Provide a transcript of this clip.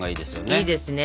いいですね。